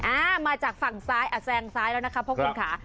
อ่ามาจากฝั่งซ้ายอ่ะแซงซ้ายแล้วนะคะเพราะคุณค่ะ